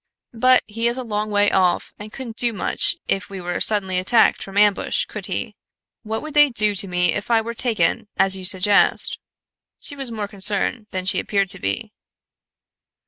"But, he is a long way off and couldn't do much if we were suddenly attacked from ambush, could he? What would they do to me if I were taken, as you suggest?" she was more concerned than she appeared to be.